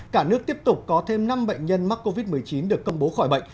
cả nước tiếp tục có thêm năm bệnh nhân mắc covid một mươi chín được công bố khỏi bệnh